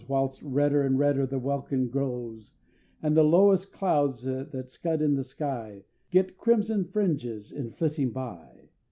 Whilst redder and redder the welkin glows, And the lowest clouds that scud in the sky Get crimson fringes in flitting by.